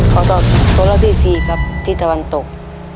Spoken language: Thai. ขอตอบตัวเลือกที่สี่ครับที่ตะวันตก